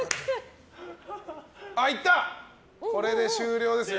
これで終了ですよ。